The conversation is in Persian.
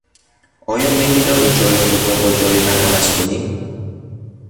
آیا میل داری جای خود را با جای من عوض کنی؟